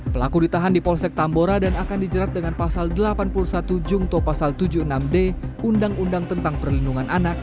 pelaku ditahan di polsek tambora dan akan dijerat dengan pasal delapan puluh satu jungto pasal tujuh puluh enam d undang undang tentang perlindungan anak